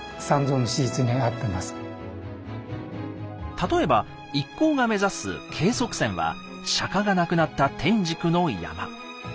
例えば一行が目指す「鶏足山」は釈が亡くなった天竺の山。